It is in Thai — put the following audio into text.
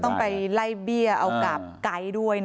ต้องไปไล่เบี้ยเอากับไก๊ด้วย